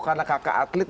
karena kakak atlet